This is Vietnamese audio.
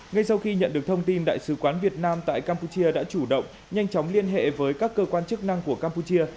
ngay sau khi nhận được thông tin đại sứ quán việt nam tại campuchia đã chủ động nhanh chóng liên hệ với các cơ quan chức năng của campuchia